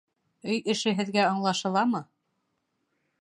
Өй эше һеҙгә аңлашыламы?